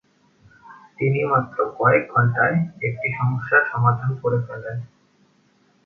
তিনি মাত্র কয়েক ঘণ্টায় একটি সমস্যার সমাধান করে ফেলেন।